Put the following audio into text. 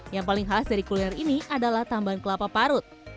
yang paling khas dari kuliner ini adalah tambahan kelapa parut